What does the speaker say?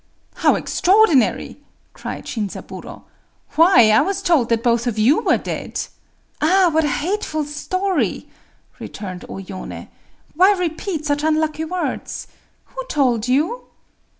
"How extraordinary!" cried Shinzaburō. "Why, I was told that both of you were dead!" "Ah, what a hateful story!" returned O Yoné. "Why repeat such unlucky words?… Who told you?"